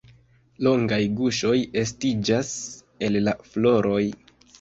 Longaj guŝoj estiĝas el la floroj.